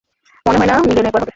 মনে হয় না মিলিয়নে একবার হবে!